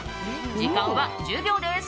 時間は１０秒です。